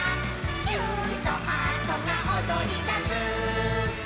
「キューンとハートがおどりだす」